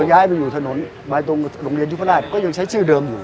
ย้ายไปอยู่ถนนมาตรงโรงเรียนยุพราชก็ยังใช้ชื่อเดิมอยู่